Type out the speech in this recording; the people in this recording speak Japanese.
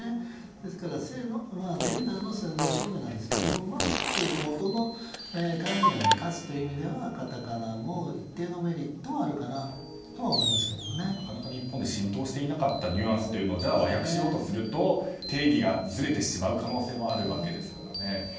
ですからジェンダーの存在証明なんですが元の概念を生かすという意味ではカタカナも一定のメリットはあるかなとはなかなか日本で浸透していなかったニュアンスを和訳しようとすると定義がずれてしまう可能性もあるわけですからね。